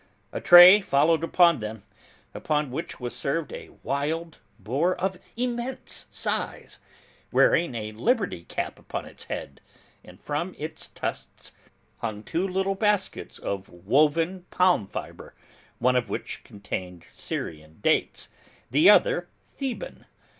A tray followed them, upon which was served a wild boar of immense size, wearing a liberty cap upon its head, and from its tusks hung two little baskets of woven palm fibre, one of which contained Syrian dates, the other, Theban.